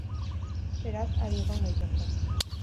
Beraz, adi egon gaitezen.